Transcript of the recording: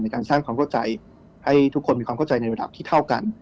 การสร้างความเข้าใจให้ทุกคนมีความเข้าใจในระดับที่เท่ากัน